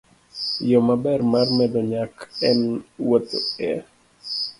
Yo maber mar medo nyak en wuotho e